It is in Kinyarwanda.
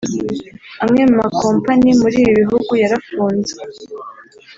Amwe mu makompanyi muri ibi bihugu yarafunze